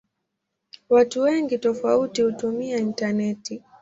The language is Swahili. Watu wengi tofauti hutumia intaneti.